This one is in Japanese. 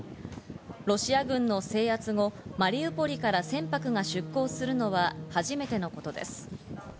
ロシア軍の制圧後、マリウポリから船舶が出航するのは初めてのことです。